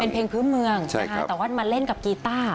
เป็นเพลงพื้นเมืองนะคะแต่ว่ามาเล่นกับกีต้า